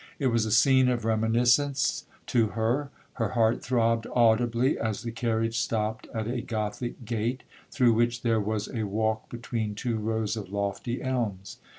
It was a scene of reminiscence to her,—her heart throbbed audibly as the carriage stopped at a Gothic gate, through which there was a walk between two rows of lofty elms.